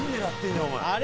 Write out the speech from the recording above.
お前。